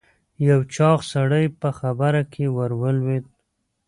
یو چاغ سړی په خبره کې ور ولوېد.